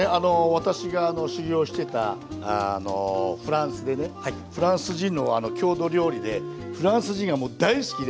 私が修業してたあのフランスでねフランス人の郷土料理でフランス人がもう大好きで。